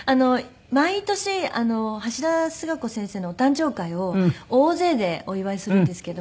毎年橋田壽賀子先生のお誕生会を大勢でお祝いするんですけども。